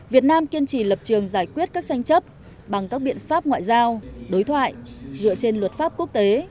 việt nam kiên trì lập trường giải quyết các tranh chấp bằng các biện pháp ngoại giao đối thoại dựa trên luật pháp quốc tế